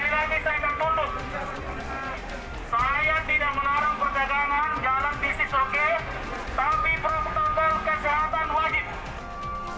saya tidak menarang perdagangan dalam bisnis oke tapi protokol kesehatan wajib